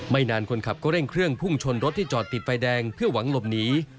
นานคนขับก็เร่งเครื่องพุ่งชนรถที่จอดติดไฟแดงเพื่อหวังหลบหนี